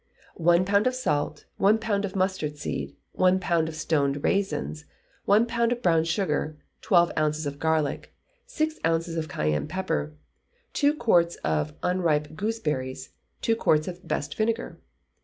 One pound of salt, one pound of mustard seed, one pound of stoned raisins, one pound of brown sugar, twelve ounces of garlic, six ounces of cayenne pepper, two quarts of unripe gooseberries, two quarts of best vinegar.